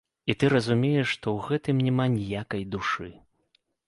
І ты разумееш, што ў гэтым няма ніякай душы.